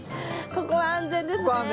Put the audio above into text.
ここは安全です。